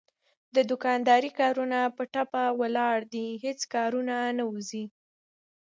د دوکاندارۍ کارونه په ټپه ولاړ دي هېڅ کارونه نه وځي.